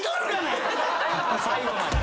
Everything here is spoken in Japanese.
最後まで。